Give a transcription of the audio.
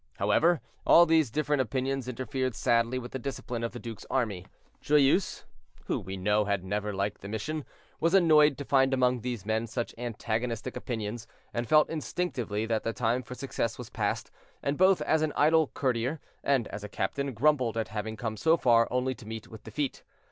However, all these different opinions interfered sadly with the discipline of the duke's army. Joyeuse, who we know had never liked the mission, was annoyed to find among these men such antagonistic opinions, and felt instinctively that the time for success was past, and both as an idle courtier and as a captain, grumbled at having come so far only to meet with defeat.